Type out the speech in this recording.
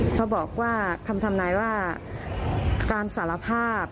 เขาบอกว่าคำทำนายว่าการสารภาพ